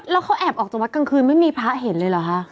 แล้วเขาแอบออกจากวัดกลางคืนไม่มีพระเห็นเลยเหรอคะ